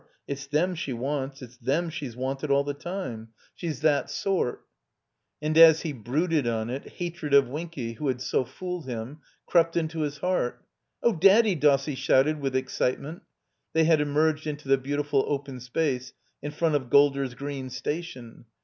It's them she wants. It's them she's wanted all the time. She's that sort." 316 THE COMBINED MAZE And as he brooded on it, hatred of Winky, who had so fooled him, crept into his heart. "Oh, Daddy!" Dossie shouted, with excitement. (They had emerged into the beautiful open space in front of Gk)lder's Gre^i Station.)